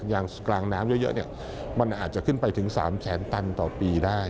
กลางน้ำเยอะมันอาจจะขึ้นไปถึง๓แสนตันต่อปีได้